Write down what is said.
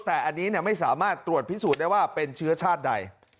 แต่อันนี้ไม่สามารถตรวจพิสูจน์ได้ว่าเป็นเชื้อชาติใด